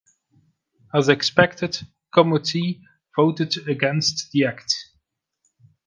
As expected, Comuzzi voted against the Act.